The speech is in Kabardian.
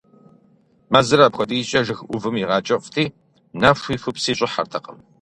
Мэзыр апхуэдизкӏэ жыг ӏувым игъэкӏыфӏти, нэхуи-хупси щӏыхьэртэкъым.